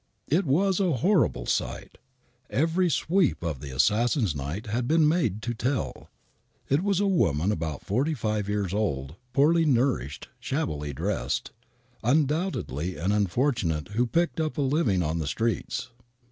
It was a horrible sight. Every sweep of the assassin's knife had been made to tell. It was a woman about forty five years old, poorly nourished, shabbily dressed, undoubtedly an unfortunate who picked up a living on the streets.